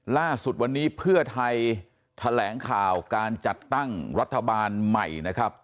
ล่าสุดวันนี้เพื่อไทยแถลงข่าวการจัดตั้งรัฐบาลใหม่นะครับ